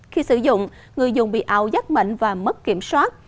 khi sử dụng người dùng bị ảo giác mệnh và mất kiểm soát